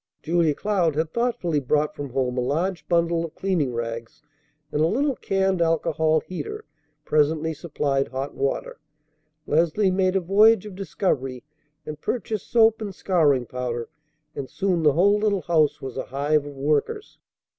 Julia Cloud had thoughtfully brought from home a large bundle of cleaning rags, and a little canned alcohol heater presently supplied hot water. Leslie made a voyage of discovery, and purchased soap and scouring powder; and soon the whole little house was a hive of workers.